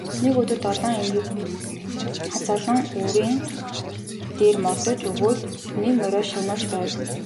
Нэг өдөр долоон эмнэг хязаалан үрээн дээр мордож өгөөд нэг мориор шагнуулж байв.